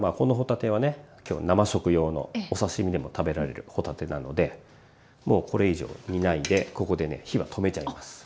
今日は生食用のお刺身でも食べられる帆立てなのでもうこれ以上煮ないでここでね火は止めちゃいます。